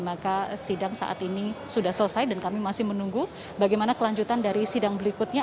maka sidang saat ini sudah selesai dan kami masih menunggu bagaimana kelanjutan dari sidang berikutnya